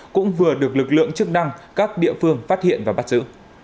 cũng vừa được lực lượng chức năng các địa phương phát hiện và bắt giữ